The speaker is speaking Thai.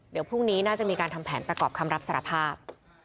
เดี๋ยวพรุ่งนี้น่าจะมีการทำแผนประกอบคำรับสารภาพ